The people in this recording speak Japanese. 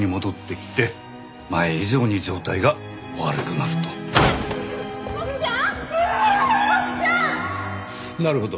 なるほど。